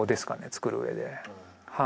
作るうえで。